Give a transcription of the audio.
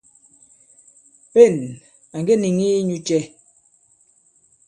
Pên à ŋge nìŋi inyū cɛ̄ ?